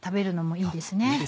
あっいいですね。